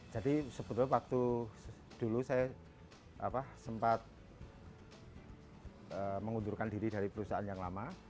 jadi sebetulnya waktu dulu saya sempat mengundurkan diri dari perusahaan yang lama